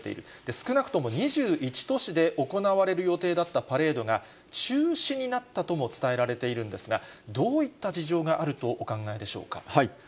少なくとも２１都市で行われる予定だったパレードが、中止になったとも伝えられているんですが、どういった事情があるとお考えでしょうか。